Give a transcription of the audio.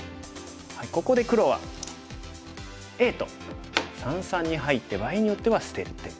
ここで黒はＡと三々に入って場合によっては捨てる手。